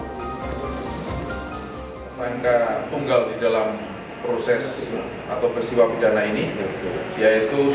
tersangka tunggal di dalam proses atau peristiwa pidana ini yaitu